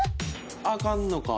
あかんのか？